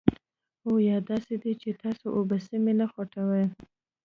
او یا داسې دي چې تاسې اوبه سمې نه خوټوئ.